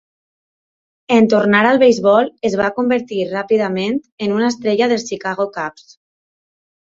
En tornar al beisbol, es va convertir ràpidament en una estrella dels Chicago Cubs.